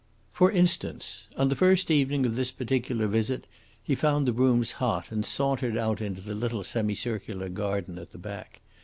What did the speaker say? For instance. On the first evening of this particular visit he found the rooms hot, and sauntered out into the little semicircular garden at the back.